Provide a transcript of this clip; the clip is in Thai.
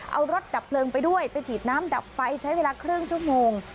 เอารถดับเพลิงไปด้วยไปฉีดน้ำดับไฟใช้เวลาครึ่งชั่วโมง